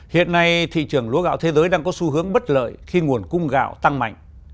hiện nay thị trường lúa gạo thế giới đang có xu hướng bất lợi khi nguồn cung gạo tăng mạnh